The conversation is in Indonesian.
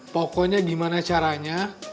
pokoknya gimana caranya